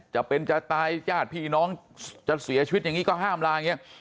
จะเป็นจะตายญาติพี่น้องจะเสียชีวิตอย่างนี้ก็ห้ามลาอย่างนี้